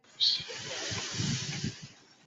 彤城氏是中国文献记载到的远古姒姓氏族。